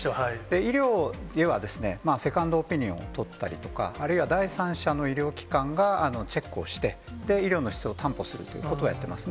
医療ではセカンドオピニオンを取ったりとか、あるいは第三者の医療機関がチェックをして、医療の質を担保するということはやってます。